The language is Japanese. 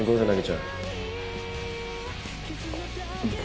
うん。